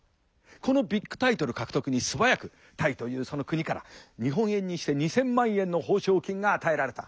このビッグタイトル獲得に素早くタイというその国から日本円にして２，０００万円の報奨金が与えられた。